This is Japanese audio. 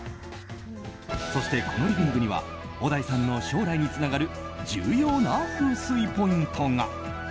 そして、このリビングには小田井さんの将来につながる重要な風水ポイントが。